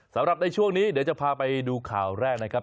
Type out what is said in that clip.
สำหรับในช่วงนี้เดี๋ยวจะพาไปดูข่าวแรกนะครับ